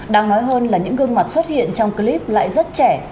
đáng nói hơn là những gương mặt xuất hiện trong clip lại rất trẻ